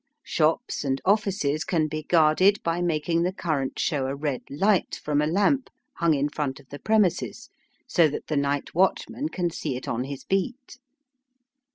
Shops and offices can be guarded by making the current show a red light from a lamp hung in front of the premises, so that the night watchman can see it on his beat.